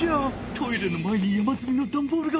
トイレの前に山づみのダンボールが！